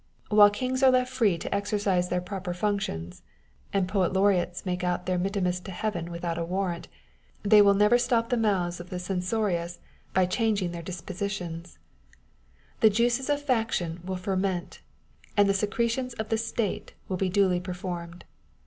While kings are left free to exercise their proper functions, and poet laureates make out their Mittimus to Heaven without a warrant, they will never stop the mouths of the censorious by changing their dispositions ; the juices of faction will ferment, and the secretions of the State be duly performed